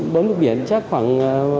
bến bụi biển chắc khoảng